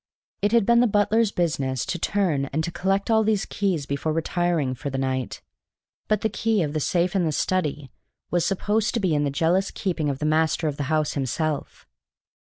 It had been the butler's business to turn and to collect all these keys before retiring for the night. But the key of the safe in the study was supposed to be in the jealous keeping of the master of the house himself.